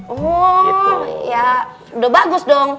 oh ya udah bagus dong